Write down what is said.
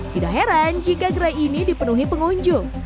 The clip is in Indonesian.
tidak heran jika gerai ini dipenuhi pengunjung